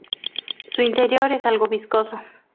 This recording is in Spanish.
Su interior es algo viscoso.